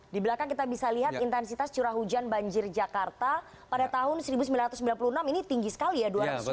di belakang kita bisa lihat intensitas curah hujan banjir jakarta pada tahun seribu sembilan ratus sembilan puluh enam ini tinggi sekali ya